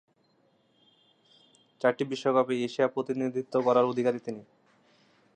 চারটি বিশ্বকাপে এশিয়ার প্রতিনিধিত্ব করার অধিকারী তিনি।